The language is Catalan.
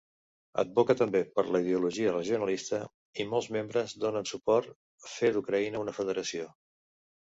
Advoca també per la ideologia regionalista, i molts membres donen suport fer d'Ucraïna una federació.